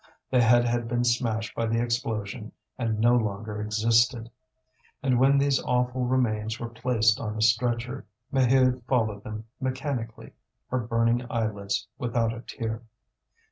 The head had been smashed by the explosion and no longer existed. And when these awful remains were placed on a stretcher, Maheude followed them mechanically, her burning eyelids without a tear.